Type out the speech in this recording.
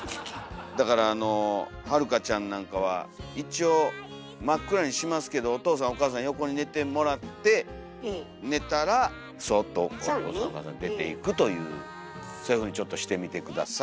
だからはるかちゃんなんかは一応真っ暗にしますけどお父さんお母さん横に寝てもらって寝たらそっとお父さんお母さん出ていくというそういうふうにちょっとしてみて下さい。